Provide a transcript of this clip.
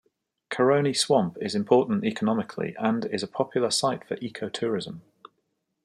Caroni Swamp is important economically and is a popular site for ecotourism.